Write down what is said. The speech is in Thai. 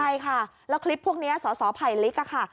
ใช่ค่ะแล้วคลิปพวกนี้สสไผลลิกอะค่ะ